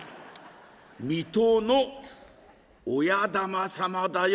水戸の親玉様だよ」。